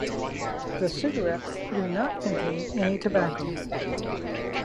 The cigarettes do not contain any tobacco.